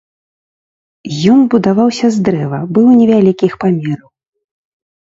Ён будаваўся з дрэва, быў невялікіх памераў.